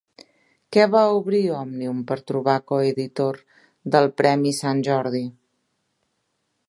Què va obrir Òmnium per trobar coeditor del Premi Sant Jordi?